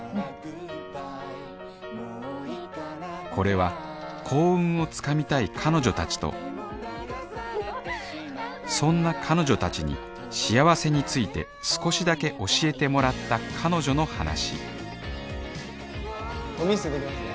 これは幸運を掴みたい彼女たちとそんな彼女たちに幸せについて少しだけ教えてもらった彼女の話ゴミ捨ててきますね。